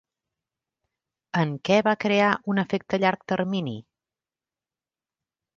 En què va crear un efecte a llarg termini?